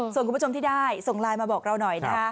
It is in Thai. ส่วนคุณผู้ชมที่ได้ส่งไลน์มาบอกเราหน่อยนะคะ